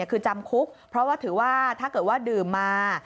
คือจำคุกเพราะว่าถือว่าถ้าเกิดว่าดื่มมา